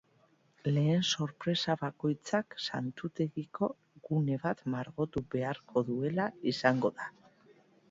Lehen sorpresa bakoitzak santutegiko gune bat margotu beharko duela izango da.